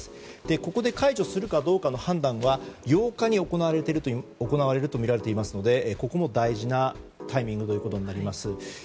ここで解除するかどうかの判断は８日に行われるとみられるのでここも大事なタイミングです。